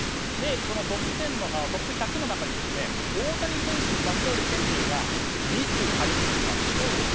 このトップ１００の中に大谷選手にまつわる川柳が２句、入っていたんです。